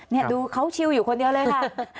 นี่ดูเขาชิวอยู่คนเดียวเลยค่ะ